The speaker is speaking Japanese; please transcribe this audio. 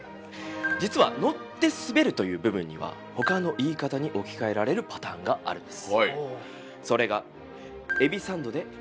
実は「乗ってすべる」という部分には他の言い方に置き換えられるパターンがあるんです。